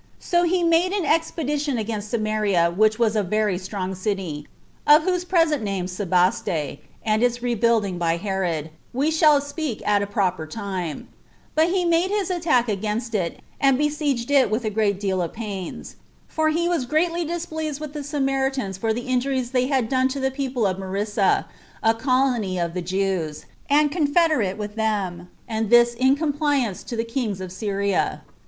2. So he made an expedition against Samaria which was a very strong city; of whose present name Sebaste, and its rebuilding by Herod, we shall speak at a proper time; but he made his attack against it, and besieged it with a great deal of pains; for he was greatly displeased with the Samaritans for the injuries they had done to the people of Merissa, a colony of the Jews, and confederate with them, and this in compliance to the kings of Syria.